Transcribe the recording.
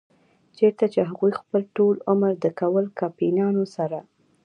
چرته چې هغوي خپل ټول عمر د کول کمپنيانو سره